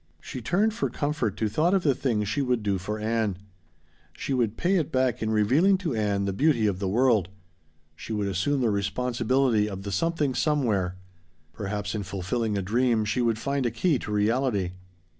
She turned for comfort to thought of the things she would do for Ann. She would pay it back in revealing to Ann the beauty of the world. She would assume the responsibility of the Something Somewhere. Perhaps in fulfilling a dream she would find a key to reality.